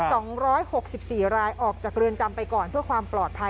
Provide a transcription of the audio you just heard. สองร้อยหกสิบสี่รายออกจากเรือนจำไปก่อนเพื่อความปลอดภัย